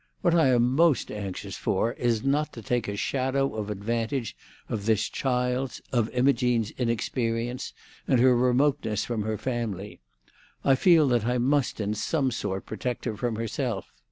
What I am most anxious for is not to take a shadow of advantage of this child's—of Imogene's inexperience, and her remoteness from her family. I feel that I must in some sort protect her from herself.